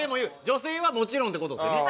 女性はもちろんって事ですよね？